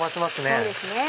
そうですね